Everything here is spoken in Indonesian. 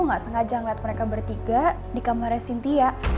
aku gak sengaja ngeliat mereka bertiga di kamarnya sintia